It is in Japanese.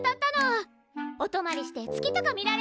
お泊まりして月とか見られるんだって！